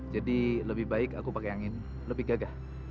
jadi lebih baik aku pakai yang ini lebih gagah